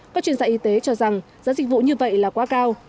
các chuyên gia y tế cho rằng giá dịch vụ như vậy là quá cao